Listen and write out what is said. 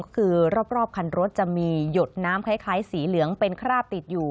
คือรอบคันรถจะมีหยดน้ำคล้ายสีเหลืองเป็นคราบติดอยู่